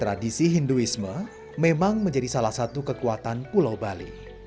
tradisi hinduisme memang menjadi salah satu kekuatan pulau bali